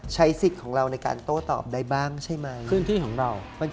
ใช้สิทธิ์ของเราในการโต้อตอบได้บ้างใช่ไหม